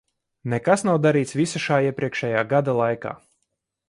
Nekas nav darīts visa šā iepriekšējā gada laikā!